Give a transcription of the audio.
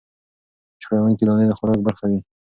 بشپړوونکې دانې د خوراک برخه وي.